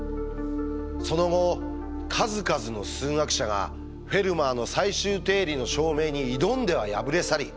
その後数々の数学者が「フェルマーの最終定理」の証明に挑んでは敗れ去り